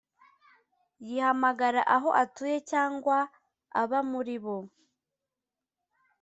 y ihamagara aho atuye cyangwa aba muri bo